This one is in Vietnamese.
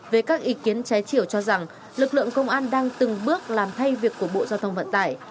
về các ý kiến trái chiều cho rằng lực lượng công an đang từng bước làm thay việc của bộ giao thông vận tải